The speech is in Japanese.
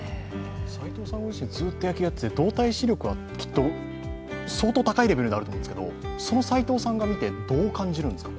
斎藤さん、ずっと野球をやってきて、動体視力は相当高いレベルであると思うんですがその斎藤さんが見て、どう感じるんですか？